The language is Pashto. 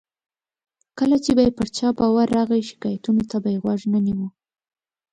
کله چې به یې پر چا باور راغی، شکایتونو ته یې غوږ نه نیو.